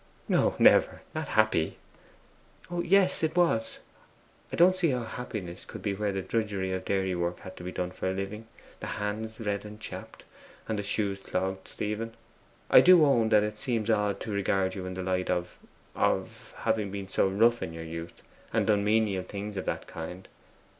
'No, never not happy.' 'Yes, it was.' 'I don't see how happiness could be where the drudgery of dairy work had to be done for a living the hands red and chapped, and the shoes clogged....Stephen, I do own that it seems odd to regard you in the light of of having been so rough in your youth, and done menial things of that kind.